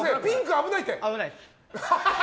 危ないです。